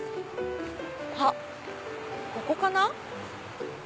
あっここかな？